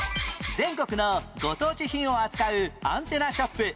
全国のご当地品を扱うアンテナショップ。